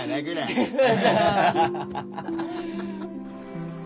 アハハハハ。